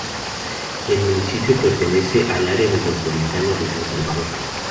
El municipio pertenece al Área metropolitana de San Salvador.